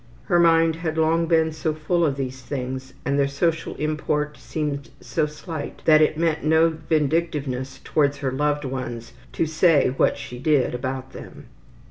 Her mind had long been so full of these things, and their social import seemed so slight, that it meant no vindictiveness towards her loved ones to say what she did about them.